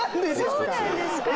そうなんですか？